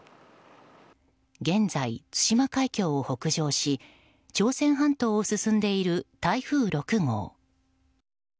現在、対馬海峡を北上し朝鮮半島を進んでいる台風６号。